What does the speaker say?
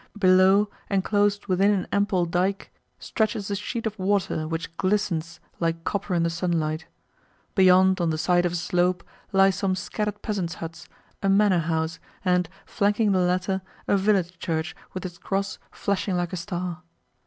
Below, enclosed within an ample dike, stretches a sheet of water which glistens like copper in the sunlight. Beyond, on the side of a slope, lie some scattered peasants' huts, a manor house, and, flanking the latter, a village church with its cross flashing like a star.